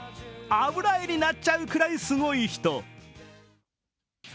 油絵になっちゃうぐらいすごい人。